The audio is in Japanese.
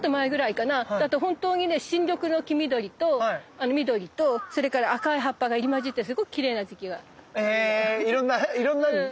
だと本当にね新緑の黄緑と緑とそれから赤い葉っぱが入り交じってすごくきれいな時期があるの。へいろんな段階がね。